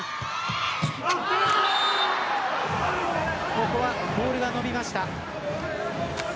ここはボールが伸びました。